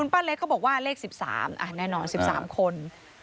ป้าเล็กเขาบอกว่าเลข๑๓แน่นอน๑๓คน